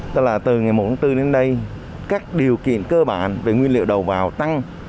tức là từ ngày tháng bốn đến đây các điều kiện cơ bản về nguyên liệu đầu vào tăng